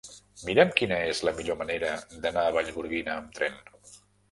Mira'm quina és la millor manera d'anar a Vallgorguina amb tren.